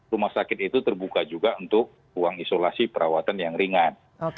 rumah sakit itu terbuka juga untuk ruang isolasi perawatan yang ringan